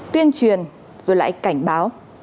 tuyên truyền rồi lại cảnh báo